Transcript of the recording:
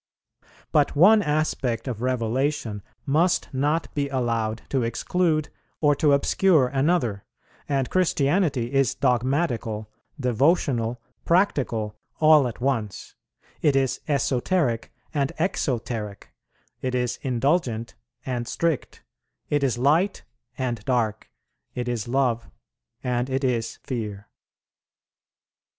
But one aspect of Revelation must not be allowed to exclude or to obscure another; and Christianity is dogmatical, devotional, practical all at once; it is esoteric and exoteric; it is indulgent and strict; it is light and dark; it is love, and it is fear.